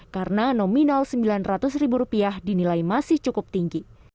karena nominal rp sembilan ratus dinilai masih cukup tinggi